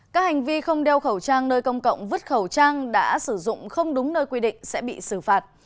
các hành vi không đeo khẩu trang nơi công cộng vứt khẩu trang đã sử dụng không đúng nơi quy định sẽ bị xử phạt